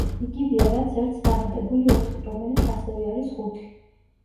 იგივეა რაც ერთს დამატებული ოთხი, რომელიც ასევე არის ხუთი.